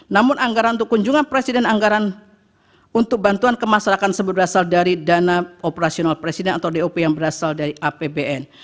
namun anggaran untuk kunjungan presiden anggaran untuk bantuan ke masyarakat berasal dari dana operasional presiden atau dop yang berasal dari apbn